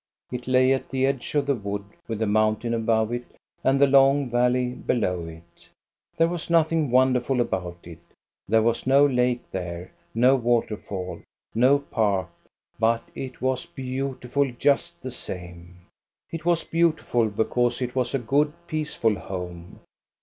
It lay at the edge of the wood, with the moun tain above it and the long valley below it. There was nothing wonderful about it ; there was no lake there, no water fall, no park, but it was beautiful just the same. It was beautiful because it was a good, peaceful home.